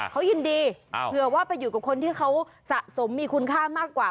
เขายินดีเผื่อว่าไปอยู่กับคนที่เขาสะสมมีคุณค่ามากกว่า